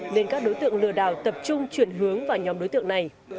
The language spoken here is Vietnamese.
nên các đối tượng lừa đảo tập trung chuyển hướng vào nhóm đối tượng này